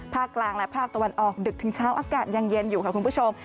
กลางและภาคตะวันออกดึกถึงเช้าอากาศยังเย็นอยู่ค่ะคุณผู้ชม